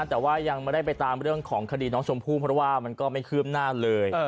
แต่ว่ายังไม่ได้ไปตามเรื่องของคดีน้องชมพู่เพราะว่ามันก็ไม่คืบหน้าเลย